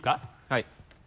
はい。